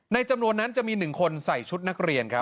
จำนวนนั้นจะมี๑คนใส่ชุดนักเรียนครับ